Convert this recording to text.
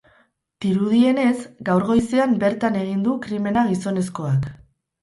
Dirudienez, gaur goizean bertan egin du krimena gizonezkoak.